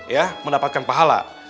ya mendapatkan pahala